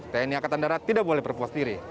tni angkatan darat tidak boleh perpuas diri